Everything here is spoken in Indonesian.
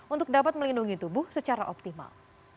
untuk dapat melindungi tubuh secara optimal